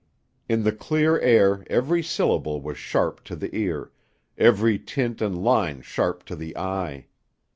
In the clear air every syllable was sharp to the ear, every tint and line sharp to the eye.